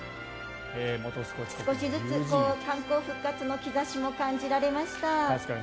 少しずつ観光復活の兆しも感じられました。